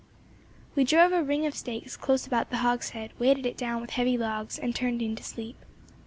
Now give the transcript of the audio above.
We drove a ring of stakes close about the hogshead, weighted it down with heavy logs, and turned in to sleep.